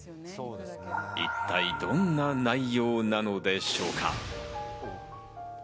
一体どんな内容なのでしょうか？